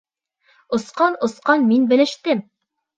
Осҡан, осҡан, мин белештем!